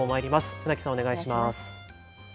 船木さん、お願いします。